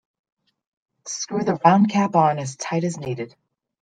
Screw the round cap on as tight as needed.